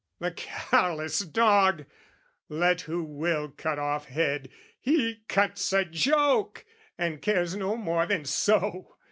The callous dog, let who will cut off head, He cuts a joke, and cares no more than so!